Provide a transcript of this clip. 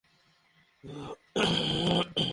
তিনি তোমাকে মিস করছে।